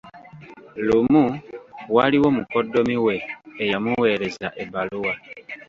Lumu, waliwo mukoddomi we eyamuweereza ebbaluwa.